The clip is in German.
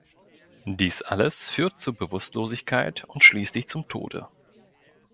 Dies alles führt zu Bewusstlosigkeit und schließlich zum Tode.